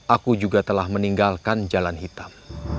aku juga telah meninggalkan jalan hitam